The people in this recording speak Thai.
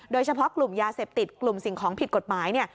โดยเฉพาะกลุ่มยาเสพติดกลุ่มสิ่งของผิดกฎหมายเนี่ย